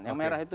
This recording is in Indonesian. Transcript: yang merah apa